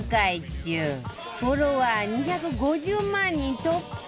フォロワー２５０万人突破！